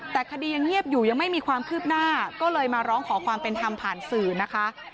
แต่คดียังเงียบอยู่ยังไม่มีความคืบหน้าก็เลยมาร้องขอความเป็นธรรมผ่านสื่อนะคะ